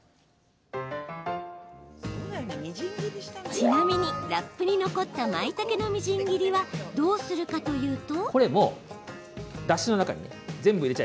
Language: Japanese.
ちなみにラップに残ったまいたけのみじん切りはどうするかというと。